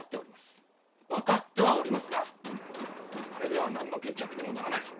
分かってはおりますがあれでは何の決着にもならない。